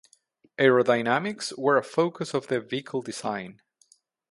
Aerodynamics were a focus of the vehicle design.